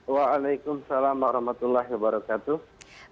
waalaikumsalam warahmatullahi wabarakatuh